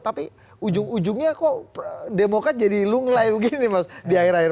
tapi ujung ujungnya kok demokrat jadi lunglai begini mas di akhir akhir